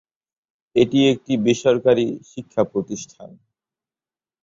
এটি একটি বেসরকারী শিক্ষা প্রতিষ্ঠান।